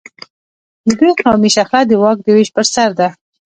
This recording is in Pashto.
د دوی قومي شخړه د واک د وېش پر سر ده.